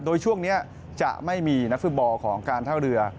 โดยช่วงนี้จะไม่มีนักฟุตบอลของการท่าเรือ